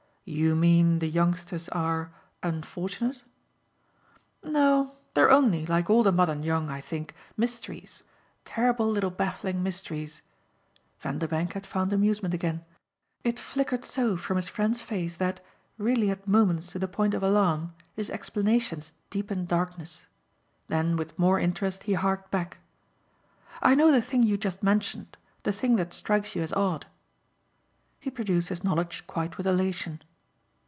"You mean the youngsters are unfortunate?" "No they're only, like all the modern young, I think, mysteries, terrible little baffling mysteries." Vanderbank had found amusement again it flickered so from his friend's face that, really at moments to the point of alarm, his explanations deepened darkness. Then with more interest he harked back. "I know the thing you just mentioned the thing that strikes you as odd." He produced his knowledge quite with elation.